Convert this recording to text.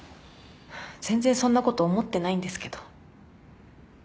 全然そんなこと思ってないんですけど。